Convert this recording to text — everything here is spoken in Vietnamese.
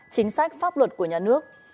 chính sách pháp luật của nhà nước